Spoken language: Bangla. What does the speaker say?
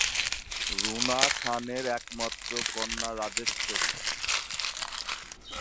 রুনা খানের একমাত্র কন্যা রাজেশ্বরী।